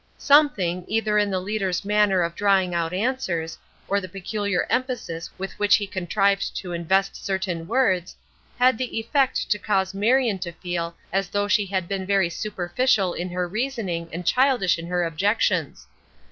Something, either in the leader's manner of drawing out answers, or the peculiar emphasis with which he contrived to invest certain words, had the effect to cause Marion to feel as though she had been very superficial in her reasoning and childish in her objections.